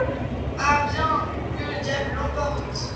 Ah bien ! que le diable l’emporte !